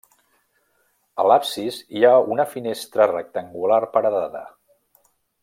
A l'absis hi ha una finestra rectangular paredada.